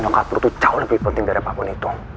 yang gak perlu tuh jauh lebih penting daripada apapun itu